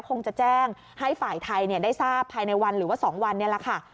คงจะแจ้งให้ฝ่ายไทยได้ทราบภายในวันหรือว่า๒วันนี้แหละค่ะ